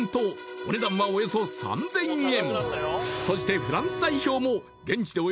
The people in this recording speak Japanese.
お値段はおよそ３０００円